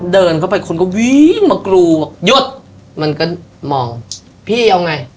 เดินเข้าไปคนก็วิ่งมากรูบอกหยุดมันก็มองพี่เอาไง